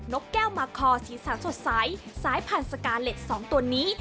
กแก้วมาคอสีสันสดใสสายพันธุ์สกาเล็ต๒ตัวนี้